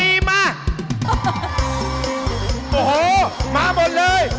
โอ้โหมาหมดเลย